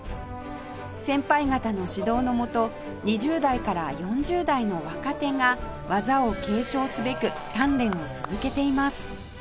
先輩方の指導の下２０代から４０代の若手が技を継承すべく鍛錬を続けています